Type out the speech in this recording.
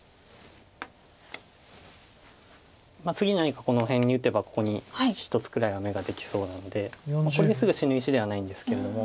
次何かこの辺に打てばここに１つくらいは眼ができそうなのでこれですぐ死ぬ石ではないんですけれども。